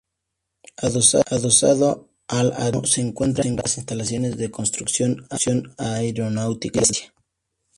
Adosado al aeródromo se encuentran las instalaciones de Construcciones Aeronáuticas de Galicia.